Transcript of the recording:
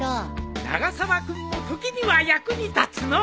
永沢君も時には役に立つのう。